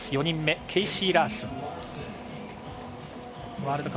４人目、ケイシー・ラースン。